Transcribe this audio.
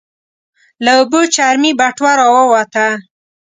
له اوبو چرمي بټوه راووته.